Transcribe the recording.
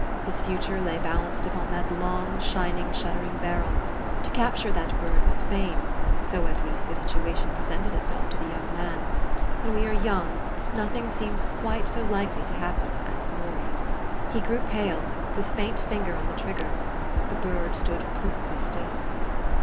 His future lay bal anced upon that long, shining, shuddering barrel. To capture that bird was fame : so at least the situa tion presented itself to the young man. When we are 3 r oung, nothing seems quite so likely to happen as glory. He grew pale, with faint finger on the trigger. The bird stood perfectly still.